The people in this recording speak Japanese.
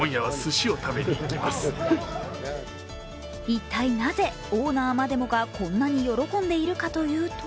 一体なぜオーナーまでもがこんなに喜んでいるかというと